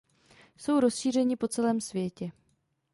Jsou rozšířeni po celém světě.